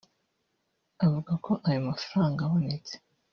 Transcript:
Avuga ko ayo mafaranga abonetse